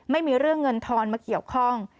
ไม่มีเรื่องเงินทอนมาเกี่ยวข้อง